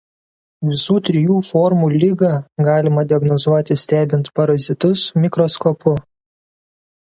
Visų trijų formų ligą galima diagnozuoti stebint parazitus mikroskopu.